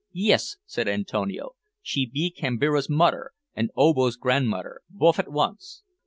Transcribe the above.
"Yis," said Antonio; "she be Kambira's moder, an' Obo's gran'moder bof at once."